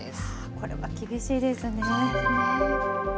これは厳しいですね。